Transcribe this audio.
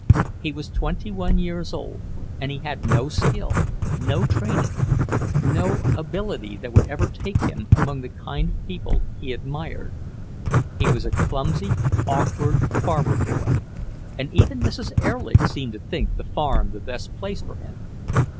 He was twenty one years old, and he had no skill, no training, no ability that would ever take him among the kind of people he admired. He was a clumsy, awkward farmer boy, and even Mrs. Erlich seemed to think the farm the best place for him.